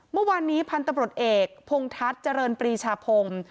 เมื่อวานนี้พันธุ์ตำรวจเอกพงทัศน์เจริญปรีชาพงศ์